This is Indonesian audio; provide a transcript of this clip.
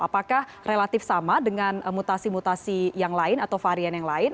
apakah relatif sama dengan mutasi mutasi yang lain atau varian yang lain